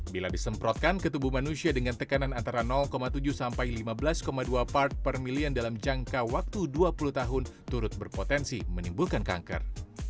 bila disemprotkan ke tubuh manusia dengan tekanan antara tujuh sampai lima belas dua part per million dalam jangka waktu dua puluh tahun turut berpotensi menimbulkan kanker